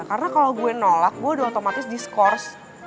karena kalau gue nolak gue udah otomatis diskors